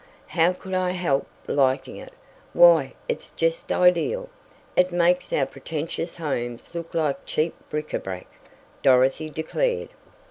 "How could I help liking it! Why it's just ideal. It makes our pretentious homes look like cheap bric a brac," Dorothy declared.